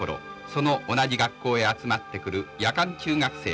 その同じ学校へ集まってくる夜間中学生たち。